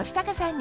に